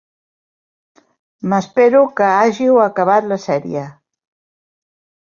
M'espero que hàgiu acabat la sèrie.